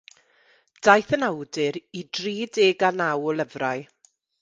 Daeth yn awdur i dri deg a naw o lyfrau.